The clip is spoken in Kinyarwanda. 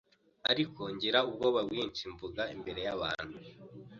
ariko ngira ubwoba bwinshi mvuga imbere yabantu.